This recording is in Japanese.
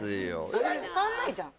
変わんないじゃん